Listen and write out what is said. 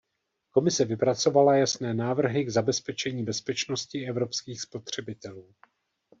Komise vypracovala jasné návrhy k zabezpečení bezpečnosti evropských spotřebitelů.